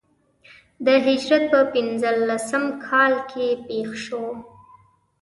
د هجرت په پنځه لسم کال کې پېښ شو.